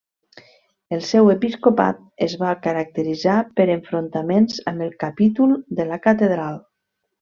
El seu episcopat es va caracteritzar per enfrontaments amb el capítol de la catedral.